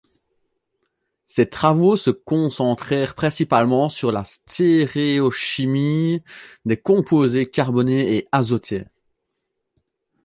Ses travaux se concentrèrent principalement sur la stéréochimie des composés carbonés et azotés.